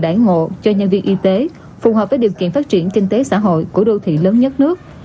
các chính sách đáng ngộ cho nhân viên y tế phù hợp với điều kiện phát triển kinh tế xã hội của đô thị lớn nhất nước